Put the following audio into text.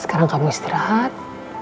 sekarang kamu istirahat